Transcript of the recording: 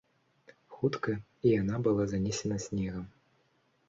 Хутка і яна была занесена снегам.